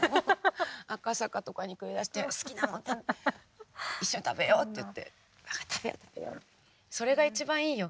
赤坂とかに繰り出して好きなもの一緒に食べようって言って食べよう食べようってそれが一番いいよ。